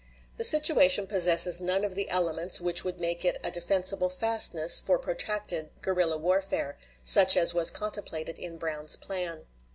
The situation possesses none of the elements which would make it a defensible fastness for protracted guerrilla warfare, such as was contemplated in Brown's plan.